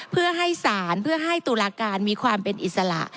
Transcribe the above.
เพื่อให้สารเพื่อให้ตุลาการมีความเป็นอิสระ